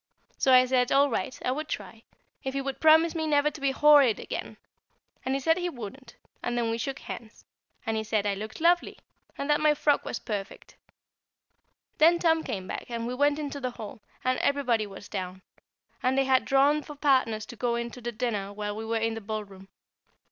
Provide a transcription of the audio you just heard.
So I said, all right I would try, if he would promise never to be horrid again; and he said he wouldn't; and then we shook hands, and he said I looked lovely, and that my frock was perfect; and then Tom came back and we went into the hall, and everybody was down, and they had drawn for partners to go in to dinner while we were in the ballroom.